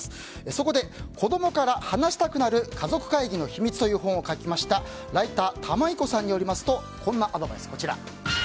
そこで「子どもから話したくなる“かぞくかいぎ”の秘密」という本を書きました、ライター玉居子さんによりますとこんなアドバイス。